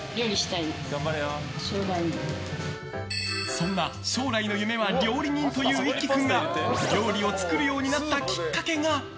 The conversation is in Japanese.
そんな将来の夢は料理人という一輝君が料理を作るようになったきっかけが。